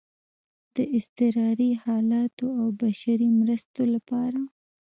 د اضطراري حالاتو او بشري مرستو لپاره